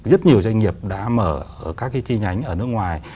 rất nhiều doanh nghiệp đã mở các cái chi nhánh ở nước ngoài